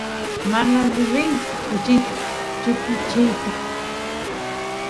mana devenki kuchit chutkichiyta